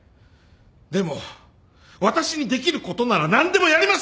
でも私にできることなら何でもやります！